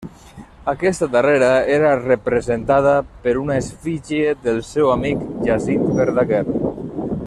Aquesta darrera era representada per una efígie del seu amic Jacint Verdaguer.